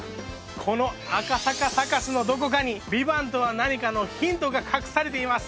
この赤坂サカスのどこかに「ＶＩＶＡＮＴ」とは何かのヒントが隠されています